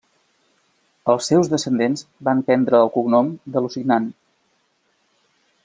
Els seus descendents van prendre el cognom de Lusignan.